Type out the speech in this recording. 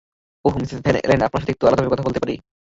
ওহ - Mrs Venn এলেন, আপনার সাথে একটু আলাদাভাবে কথা বলতে পারি?